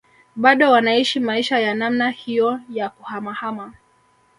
Bado wanaishi maisha ya namna hiyo ya kuhamahama